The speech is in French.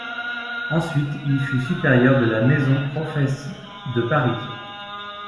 Ensuite il fut supérieur de la Maison Professe de Paris.